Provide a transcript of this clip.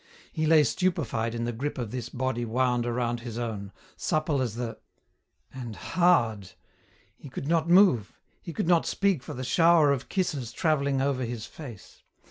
He lay stupified in the grip of this body wound around his own, supple as the ... and hard! He could not move; he could not speak for the shower of kisses traveling over his face.